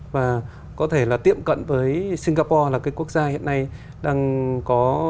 và có thể là tiệm cận với singapore là cái quốc gia hiện nay đang có